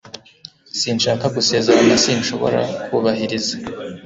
Sinshaka gusezerana sinshobora kubahiriza